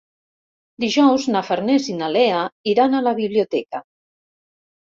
Dijous na Farners i na Lea iran a la biblioteca.